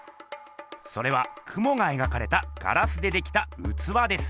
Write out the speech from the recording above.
それはクモが描かれたガラスでできたうつわです。